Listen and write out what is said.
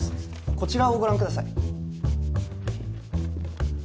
こちらをご覧ください